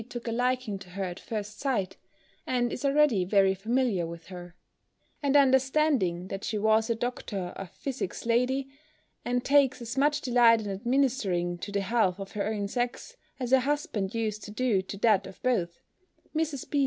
took a liking to her at first sight, and is already very familiar with her; and understanding that she was a doctor of physic's lady, and takes as much delight in administering to the health of her own sex, as her husband used to do to that of both, Mrs. B.